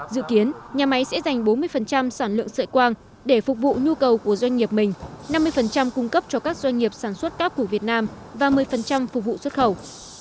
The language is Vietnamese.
dự kiến nhà máy sẽ dành bốn mươi sản lượng sợi quang để phục vụ nhu cầu của doanh nghiệp mình năm mươi cung cấp cho các doanh nghiệp sản xuất tác của việt nam và một mươi phục vụ xuất khẩu